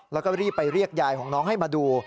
แล้วก็รีบไปเรียกยายของน้องให้มาดู